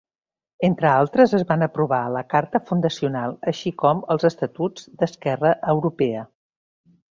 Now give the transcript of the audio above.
Entre altres es van aprovar la Carta fundacional així com els estatuts d'Esquerra Europea.